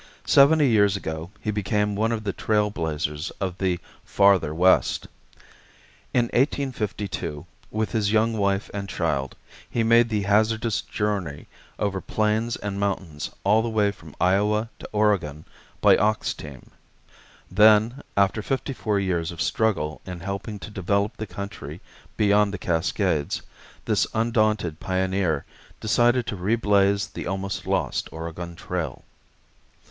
Seventy years ago he became one of the trail blazers of the Farther West. In 1852, with his young wife and child, he made the hazardous journey over plains and mountains all the way from Iowa to Oregon by ox team. Then, after fifty four years of struggle in helping to develop the country beyond the Cascades, this undaunted pioneer decided to reblaze the almost lost Oregon Trail.